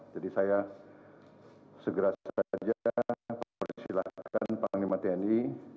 jadi saya segera saja mempersilahkan panglima tni